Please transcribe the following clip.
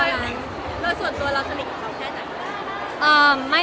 แล้วส่วนตัวเราสนิทกับเราแค่ไหน